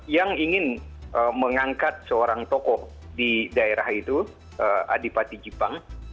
yang ingin mengangkat seorang tokoh di daerah itu adipati jepang